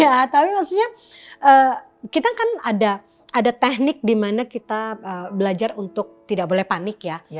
ya tapi maksudnya kita kan ada teknik di mana kita belajar untuk tidak boleh panik ya